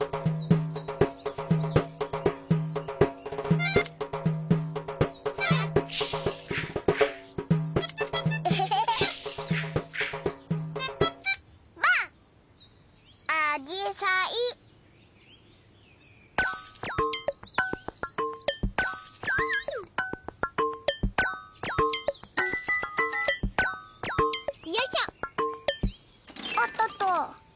おっとっと。